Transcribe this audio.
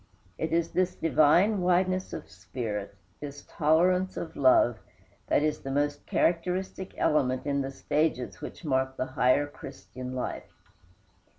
It is this divine wideness of spirit, this tolerance of love, that is the most characteristic element in the stages which mark the higher Christian life.